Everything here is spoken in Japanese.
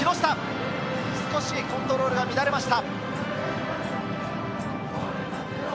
少しコントロールが乱れました。